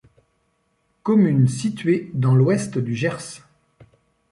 Commune située dans l'ouest du Gers.